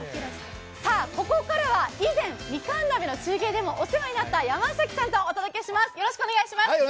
ここからは以前みかん鍋の中継でもお世話になった山崎さんとお伝えします。